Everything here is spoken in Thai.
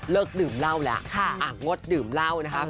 ดื่มเหล้าแล้วงดดื่มเหล้านะคะ